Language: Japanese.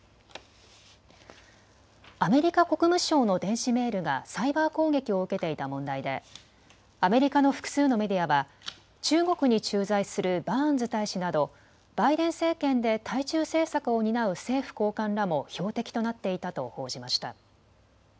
アメリカ国務省の電子メールがサイバー攻撃を受けていた問題でアメリカの複数のメディアは中国に駐在するバーンズ大使などバイデン政権で対中政策を担う政府高官らも標的となっていたと報じました。